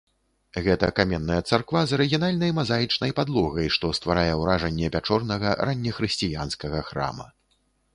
Гэта каменная царква з арыгінальнай мазаічнай падлогай, што стварае ўражанне пячорнага раннехрысціянскага храма.